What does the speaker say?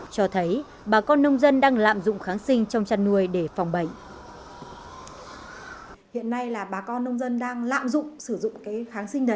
cho thấy bà con nông dân đang lạm dụng kháng sinh trong chăn nuôi để phòng bệnh